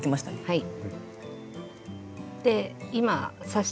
はい。